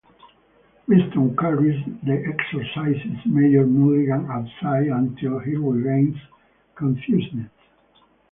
Winston carries the exorcised Mayor Mulligan outside until he regains consciousness.